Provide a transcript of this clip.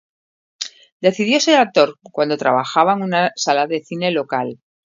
Decidió ser actor cuando trabajaba en una sala de cine local.